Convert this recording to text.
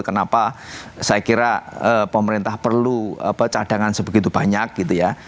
kenapa saya kira pemerintah perlu cadangan sebegitu banyak gitu ya